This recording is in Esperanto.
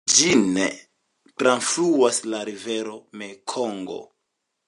Ĝin trafluas la rivero Mekongo.